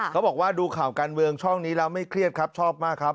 เขาบอกว่าดูข่าวการเมืองช่องนี้แล้วไม่เครียดครับชอบมากครับ